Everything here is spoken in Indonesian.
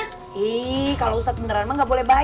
ih kalo ustadz beneran emang gak boleh bayar